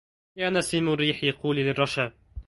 يا نسيم الريح قولي للرشا